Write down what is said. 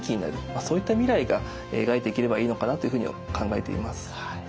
そういった未来が描いていければいいのかなというふうに考えています。